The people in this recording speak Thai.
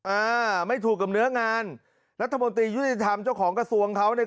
อ่าไม่ถูกกับเนื้องานรัฐมนตรียุติธรรมเจ้าของกระทรวงเขาเนี่ย